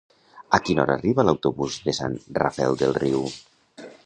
A quina hora arriba l'autobús de Sant Rafel del Riu?